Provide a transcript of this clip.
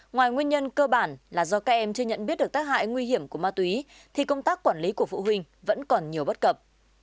ngoài nguyên nhân cơ bản là do các em chưa nhận biết được tác hại nguy hiểm của ma túy thì công tác quản lý của phụ huynh vẫn còn nhiều bất cập